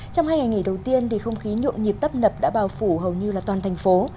trong hai ngày nghỉ đầu tiên không khí nhộn nhịp tấp nập đã bào phủ hầu như toàn thành phố